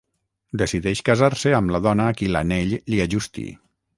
Decideix casar-se amb la dona a qui l'anell li ajusti.